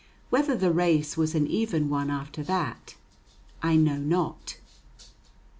Whether the race was an even one after that, I know not.